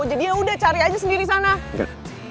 jadi yaudah cari aja sendiri sana